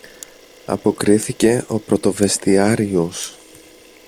αποκρίθηκε ο πρωτοβεστιάριος.